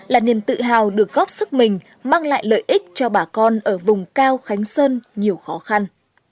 là niềm tự hào được góp sức mình mang lại lợi ích cho bà con ở vùng cao khánh sơn nhiều khó khăn